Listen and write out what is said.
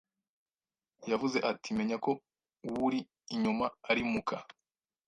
Yavuze ati Menyako uwuri inyuma arimuka